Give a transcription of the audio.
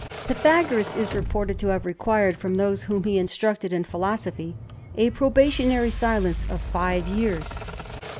TJYTHAGORAS is reported to have required from those ^ whom he instructed in philosophy a probatioDaiy silence of five years.